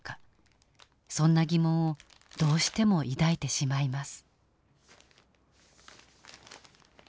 そんな疑問をどうしても抱いてしまいます。